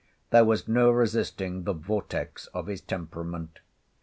There was no resisting the vortex of his temperament.